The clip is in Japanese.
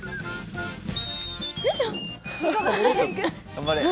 頑張れ。